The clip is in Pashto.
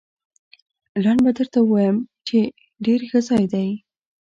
لنډ به درته ووایم، چې ډېر ښه ځای دی.